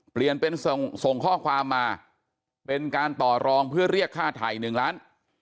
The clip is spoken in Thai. เปลี่ยนเป็นส่งข้อความมาเป็นการต่อรองเพื่อเรียกค่าไถ่๑ล้าน